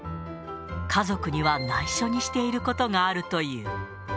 家族にはないしょにしていることがあるという。